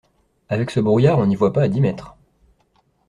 Avec ce brouillard, on n'y voit pas à dix mètres.